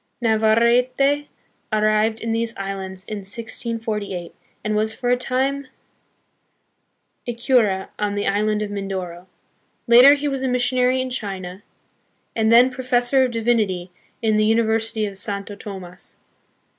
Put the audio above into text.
Navarrete arrived in these islands in 1648, and was for a time a cura on the island of Mindoro. Later he was a missionary in China, and then Professor of Divinity in the University of Santo Tomas.